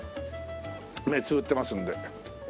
目つぶってますんで。